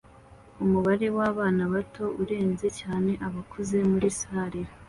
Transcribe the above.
Umubare wabana bato urenze cyane abakuze muri salle